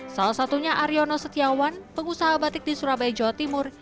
salah satunya aryono setiawan pengusaha batik di surabaya jawa timur